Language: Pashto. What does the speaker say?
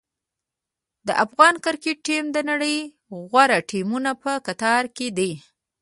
د افغان کرکټ ټیم د نړۍ د غوره ټیمونو په کتار کې دی.